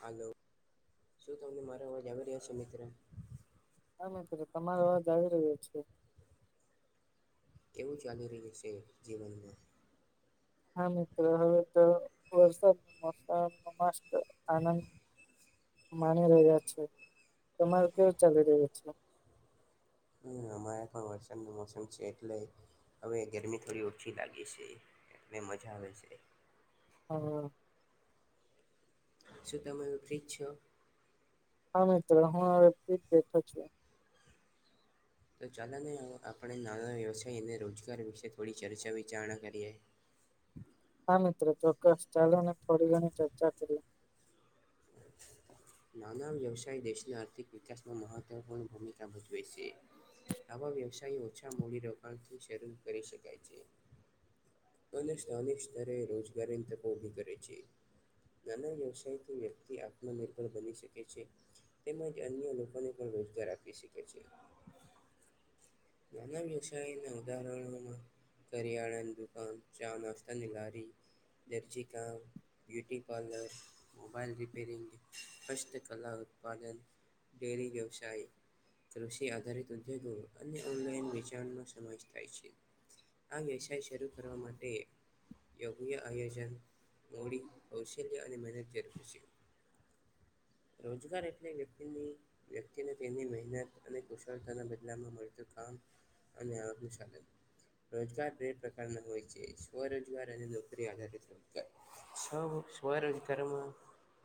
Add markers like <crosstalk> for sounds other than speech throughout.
હાલો શું તમને મારો અવાજ આવી રહ્યા છે મિત્ર હા મિત્રો તમારો અવાજ આવી રહ્યો છે કેવું ચાલી રહ્યું છે જીવનને હા મિત્રો હવે તો વરસાદ મોસમ ન મસ્ત આનંદ માની રહ્યા છે તમારું કેવું ચાલી રહ્યું છેબી હ અમારે પણ વરસાદનું મોસમ છે એટલે હવે ગરમી થોડી ઓછી લાગે છે એલે મજા આવે છે હ શું તમે વિપરીત છો હા મિત્ર હું આ વ બેઠો છએ તો ચાલ ને આપણે નાના વ્યવસાય અને રોજગાર વિશે થોડી ચર્ચા વિચારણા કરીએ હા મિત્રો ચોક્કસ ચાલો ને થોડી ઘણી ચર્ચા કરીએ હ <inaudible> નાના વ્યવસાય દેશના આર્થિક વિકાસમાં મહત્વપૂર્ણ ભૂમિકા ભજવે છે આવા વ્યવસાય ઓછા મૂડીરોકાણથી શરૂ કરી શકાય છે અને સ્થાનિક નાના વ્યવસાયથી વ્યક્તિ આત્મનિર્ભર બની શકે છે તેમજ અન્ય લોકોને પણ રોજગાર આપી શકે છે નાના વ્યવસાયના ઉદાહરણોમાં કરિયાણા ની દુકાન ચા નાસ્તાની લારી દરજી કામ બ્યુટી પાર્લર મોબાઈલ રિપેરીંગ હસ્ત કલા ઉત્પાદન ડેરી વ્યવસાય કૃષિ આધારિત ઉદ્યોગો અને વેચાનો સમાવેશ થાય છે આ વ્યવસાય શરૂ કરવા માટે યોગ્ય આયોજન મોડી કૌશલ્ય અને મહેનત જરૂર છે રોજગાર એટલે વ્યક્તિની વ્યક્તિને તેની મહેનત અને કુશળતાના બદલામાં મળતું કામ અને આ બહુ ચાલે રોજગાર બે પ્રકારના હોય છે સ્વરોજગાર અને નોકરી આધારિત રોજગાર સ્વરોજગારમાં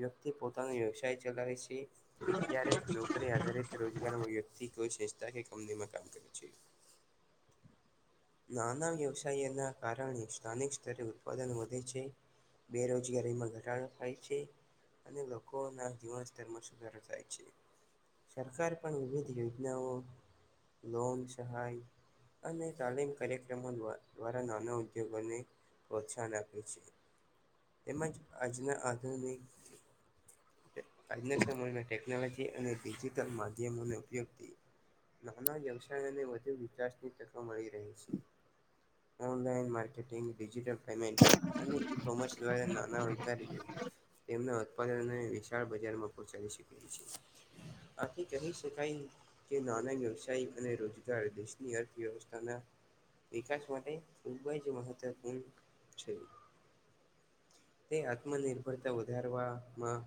વ્યક્તિ પોતાની વ્યવસાય ચલાય છે જ્યારે નોકરી આધારિત રોજગારમાં વ્યક્તિ સંસ્થાની કે કંપનીમાં કામ કરે છે નાના વ્યવસાયના કારણે સ્થાનિક સ્તરે ઉત્પાદન વધે છે બેરોજગારીમાં ઘટાડો થાય છે અને લોકોના ધીમા સ્તરમાં સુધારો થાય છે સરકાર પણ વિવિધ યોજનાઓ લોંગ સહાય અને તાલીમ કાર્યક્રમો દ્વારા નાના ઉદ્યોગોને પ્રોત્સાહન આપે છે તેમજ આજના આધુનિક આજના સમયમાં ટેકનોલોજી અને ડિજિટલ માધ્યમોને ઉપયોગથી નાના વ્યવસાયને વધુ વિકાસની તકો મળી રહે છે ઓનલાઇન માર્કેટિંગ ડિજિટલ પેમેન્ટ અને ઈ કોમર્સ ના નાના વેપારી તેમના ઉત્પાદન ને ચ બજારમાં પહચાડી શકે છે આથી કહી શકાય જે નાના વ્યવસાય અને રોજગાર દેશની અર્થવ્યવસ્થાના વિકાસ માટે ખૂબ જ મહત્વપૂર્ણ છે તે આત્મનિર્ભરતા વધારવાવામાં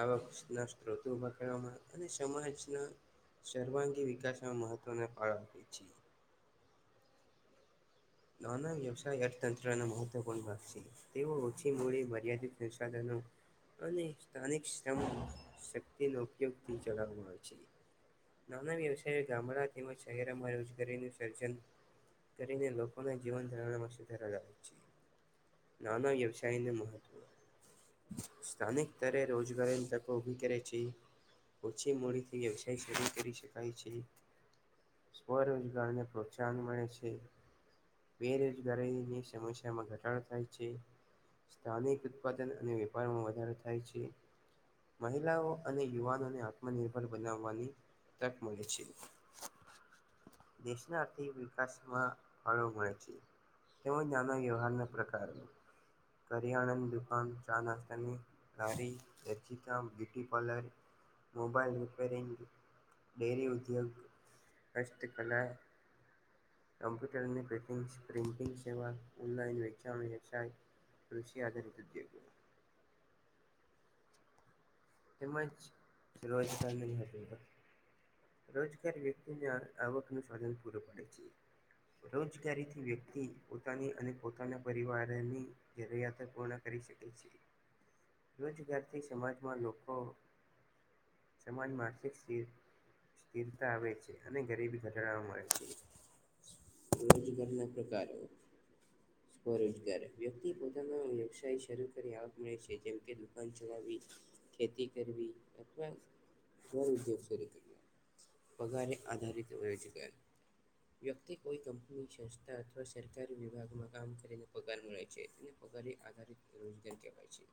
આવક ના સ્ત્રોતો બકડવામાં અને સમાજના સર્વાંગી વિકાસમાં મહત્ત્વને ફળ આપે છીએ નાના વ્યવસાય અર્થતંત્રના મહત્વપૂર્ણ લાગશે તેઓ ઓછી મૂડી મર્યાદિત સંશધનો અને સ્થાનિક શ્રમ શક્તિનો ઉપયોગથી ચલાવવામાં આવે છે નાના વ્યવસાય ગામડા તેમજ શહેરમાં રોજગારીનું સર્જન કરીને લોકો જીવન ધવાર છે નાના વ્યવસાય નું મહત્વ સ્થાનિક સ્તરે રોજગારીની તકો ઊભી કરે છે ઓછી મોડીથી વ્યવસાય શરૂ કરી શકાય છે સ્વરોજગારને પ્રોત્સાહન મળે છે બેરોજગારીની સમસ્યામાં ઘટાડો થાય છે સ્થાનિક ઉત્પાદન અને વેપારમાં વધારો થાય છે મહિલાઓ અને યુવાનોને આત્મનિર્ભર બનાવવાની તક મળે છે દેશના આર્થિક વિકાસમાં ફાળો હોય છે તેમ નાના વ્યવહારના પ્રકાર કરિયાણાની દુકાન ચા નાસ્તાની લારી દરજી કામ beauty parlour mobile repairing dairy ઉદ્યોગ હસ્તકલા કમ્પ્યુટર ની પ્રિન્ટિંગ પ્રિન્ટિંગ સેવા ઓનલાઈન <unintelligible> વ્યવસાય કૃષિ આધારિત ઉદ્યોગો તેમજ રોજગાર ન હતી. રોજગાર વ્યક્તિને આવકનું સ્ધન પૂરું પાડે છે. રોજગારીથી વ્યક્તિ પોતાની અને પોતાના પરિવારની જરૂરિયાતો પૂર્ણ કરી શકે છે રોજગારથી સમાજમાં લોકો તો સમાજ માનસિક સ્ીર સ્િરતા આવે છે અને ગરીબી ઘટાડવા મળે છે રજ કરના પ્રકારે સ્વરોજગાર વ્યક્તિ પોતાનો વ્યવસાય શરૂ કરી આવક મળે છે જેમકે દુકાન ચલાવી. ખેતી કરવી અથવા જન ઉદ્યોગ શરૂ કર પગારે આધારિત વ છે ગ વ્યક્તિ કોઈ કંપની સંસ્થા અથવા સરકારી વિભાગમાં કામ કરીને પગાર મળે છે તેને પગારી આધારિત રોજગાર કહેવાય છે.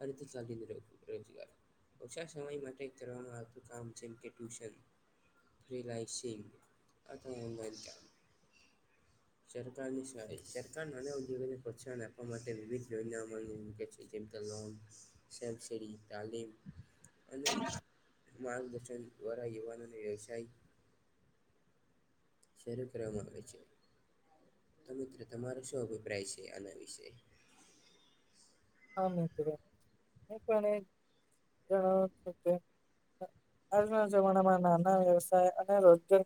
અનિ ચિ રુ રચ ગર ઓછા સમય માટે કરવાનું આવતું કામ જેમ કે ટ્યુશન <unintelligible> સરકારની શારી સરકાર નાના ઉદ્યોગોને પ્રોત્સાહન આપવા માટે વિવિધ યોજના મૂકે છે જેમકે લોન સબ શરી તાલીમ અને માર્ગદર્શન દ્વારા યુવાનોને વ્યવસાય શરૂ ક્રમાંક છે. તો મિત્ર તમારો શું અભિપ્રાય છે આના વિશે. હા એણ આજના જમાનામાં નાના વ્યવસાય અને રોજગાર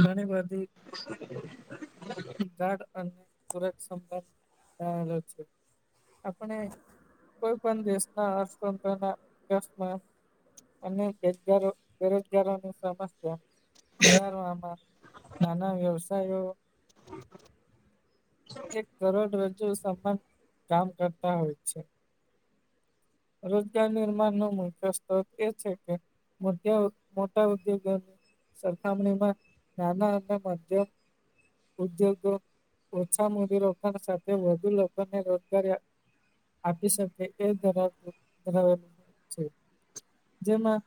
ઘણી બધી ગાઢ અને સુરક્ષદ આપણે કોઈ પણ દેશ ના અર્થતંત્ર ના વિકાસમાં અનેજગારો બેરોજગારોની સમસ્યા વધારવામાં નાના વ્યવસાયો એક કરોડ રજુ સમાન કામ કરતા હોય છે. રોજગાર નિર્માણ ન મુખ્ય સ્ત એ છે કેધ મોટા ઉદ્યોગો સરખામણીમાં નાના અને મધ્યમ ઉદ્યોગો ઓછા મૂડીરોકાણ સાથે વધુ લોકોને રોજગારી આપી શકે એ તરફ જેમાં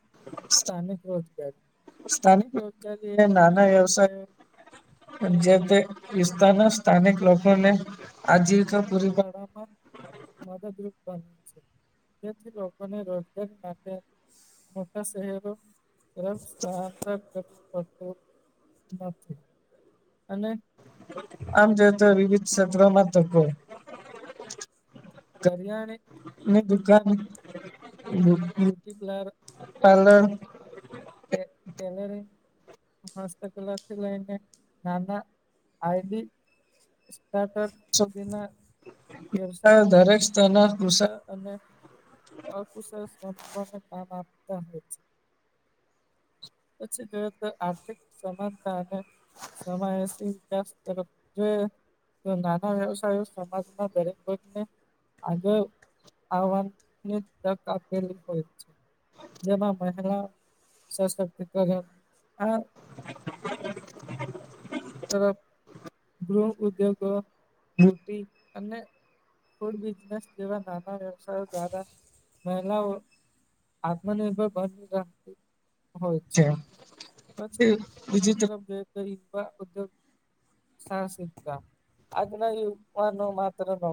સ્થાનિક રોજગારી સ્થાનિક રોજગારી નાના વ્યવસાય જે તે વિસ્તારના સ્થાનિક લોકોને આજીિકા પૂરીળમાં મદરૂપ બ તેથી લોકોને રોજગારી માટે મોટા શહેરો સ્થળાંતર કરવું પડતું. બ અને આમ જો તો વિવિધ ક્ષેત્રમાં તો કો કરિયાણે નીને દુકાન બ્યુટી પ પાર્રલ હસ્તકલા થી લઈને નાના આ સારઅી ના વ્યવસાય દરેક સ્તરના કુશલ અને અુશ શ્રમિકોને ક પછી જો તો આર્થિક સમાનતા અને સમય જો તો નાના વ્યવસાયો સમાજમાં દરેક વર્ગને આગળ આવવાની તક આપેલી હોય છે. જેમા મહેલા સશક્તિકરણ આ તરફ ગૃહ ઉદ્યોગો મુર્તિ અને ફૂડ બિનેસ જેવા નાના વ્યવસાય દ્વારા મહિલાઓ આત્મનિર્ભર બન રાખ હોય છે પછી બીજી તરફ જે સાહસિકતા આજના યુવાનો માત્ર ન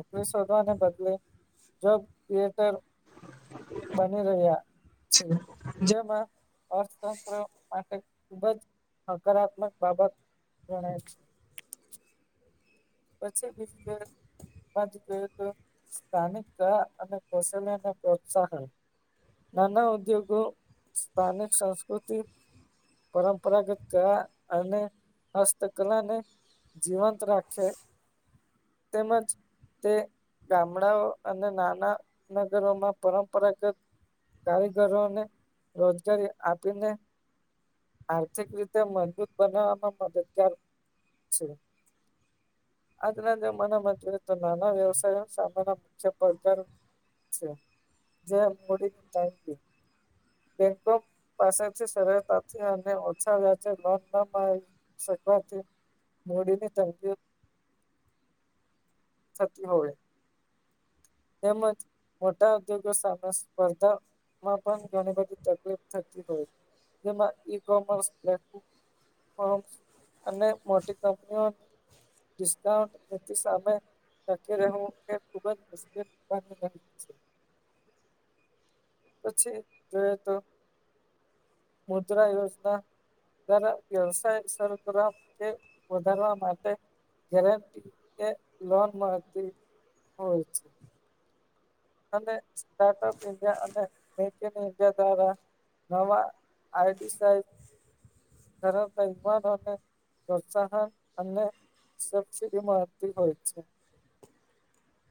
ને બદલે જો થિયેટર બની રહ્યા. છે. જેમાં અર્થતંત્ર માટે ખુબ જ હકારાત્મક બાબત ગણય છે. પછી બી <unintelligible> સ્થાનિક કળા નાના ઉદ્યોગો સ્થાનિક સંસ્કૃતિ પરંપરાગત કલા અને હસ્તકલાને જીવંત રાખ છે તેમજ તે ગામડાઓ અને નાના નગરોમાં પરંપરાગત. કારીગરોને રોજગારી આપીને આર્થિક રીતે મજબૂત બનાવવામાં મદદગાર છે. આજના જમાનામાં તો નાના વ્યવસાય સામાન્ય મુખ્ય પ્રકાર જે મડી <unintelligible> બેંકો પાસેથી સરતાથી ઓછા વ્યાજે લોન ના <unintelligible> સથી હોય. તેમજ મોટા ઉદ્યોગો સામે સ્પર્ધામાં પણ ઘણી બધી તકલીફ. જેમાં ઈ કોમર્સ્ મ અને મોટી કંપનીઓ. ડિસ્કાઉન્ટ સામે ટકી રહેવું એ ખુબ <inaudible> પછી જોઈએ તો મુદ્રા યોજના દરા વ્યવસાય સરગ્ર વધારવા માટે ગેરંટી એ લોન મળતી હોય છે. અને સ્ટાર્ટઅપ ઇન્ડિયા અને મેક ઇન ઇન્ડિયા દ્વારા નવા આઈટી સ સરમ તો ઈમાનને પ્રોત્સાહન અને સબસીડી મળતી હોય છે.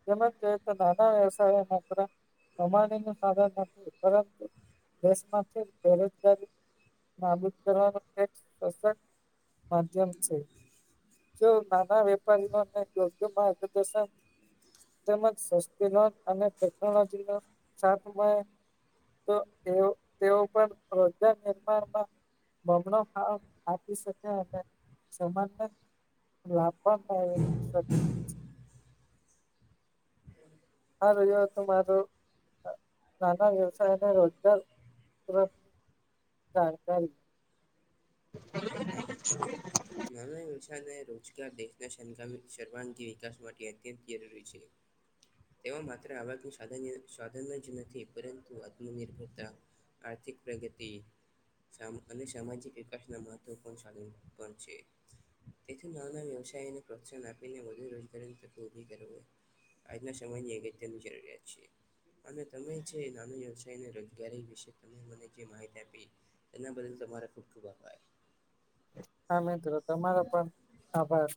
તેમ જો કે નાના વ્યવસાય માત્રમાણી સાધન નથી પરંતુ દેશ માંથી બેરોજગારી નાબૂદ કરવાનું એક સશક્ત માધ્યમ છે. જો નાના વેપારીઓને યોગ્ય માર્ગદર્શન તેમજ સસ્તી લો અને ટેકનોલોજી નો સાથમા તો તેઓ પણ રોજગાર નિર્માણમાં બમણો આપી શકે અને સામાન્ય લાંબા આ રહયો હતોું મારો નાના વ્યવસાયને રોજગાર <unintelligible> <inaudible> માનવી વવસાર અને રોજગાર દેશનાામ સર્વાંગી વિકાસ માટે અત્યંત જરૂરી છે. તેઓ માત્ર આવા સાધન જ નથી પરંતુ આત્મનિર્ભરતા આર્થિક પ્રગતિ અને સામાજિક વિકાસનાવ ત્ પણણ સાધીન પણ છે. તેથી નાના વ્યવસાયોને પ્રોત્સાહન આપીને વધુ રોજગારીની તત્ ઉભી કર હોય. આજના સમયની અગત્યારની જરૂરિયાત છે. અને તમે જે નાનો વ્યવસાયને રોજગારી વિશે ત મને જે માહિતી આપી. તેના બદલ તમારે ખૂબ ખૂબ આભાર. હા મિત્રો તમારો પણ આભાર.